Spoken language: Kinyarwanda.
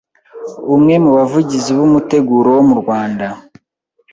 umwe mu bavugizi b umuteguro wo mu Rwanda